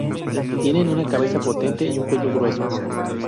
Tienen una cabeza potente y un cuello grueso.